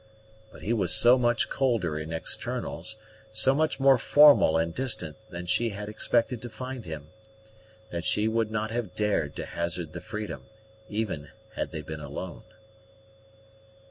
But he was so much colder in externals, so much more formal and distant than she had expected to find him, that she would not have dared to hazard the freedom, even had they been alone.